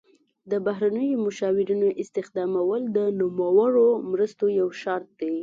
د بهرنیو مشاورینو استخدامول د نوموړو مرستو یو شرط دی.